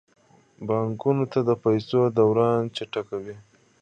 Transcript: بانکونه د پیسو دوران چټکوي.